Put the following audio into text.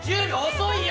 遅いよ！